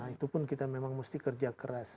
itu pun kita memang mesti kerja keras